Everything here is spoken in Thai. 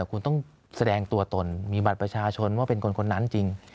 คุณต้องแสดงตัวตนมีบัตรประชาชนว่าเป็นคนนั้นจริง